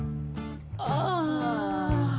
ああ。